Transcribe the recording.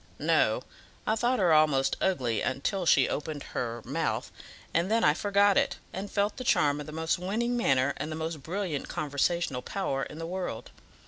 "No; I thought her almost ugly till she opened her mouth, and then I forgot it, and felt the charm of the most winning manner and the most brilliant conversational power in the world.